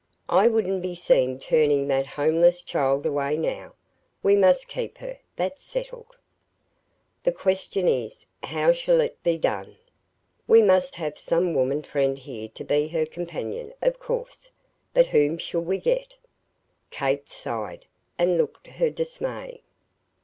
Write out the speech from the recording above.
I wouldn't be seen turning that homeless child away now. We must keep her; that's settled. The question is, how shall it be done? We must have some woman friend here to be her companion, of course; but whom shall we get?" Kate sighed, and looked her dismay.